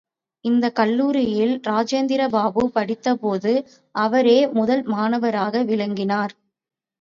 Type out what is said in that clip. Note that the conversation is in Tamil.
இந்தக் கல்லூரியில் ராஜேந்திர பாபு படித்த போது, அவரே முதல் மாணவராக விளங்கினார்.